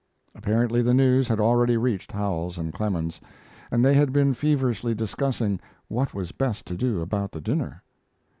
Apparently the news had already reached Howells and Clemens, and they had been feverishly discussing what was best to do about the dinner.